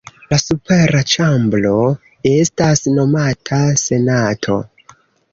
La supera ĉambro estas nomata Senato.